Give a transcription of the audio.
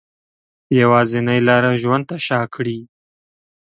یوازینۍ لاره ژوند ته شا کړي